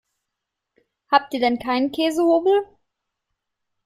Habt ihr denn keinen Käsehobel?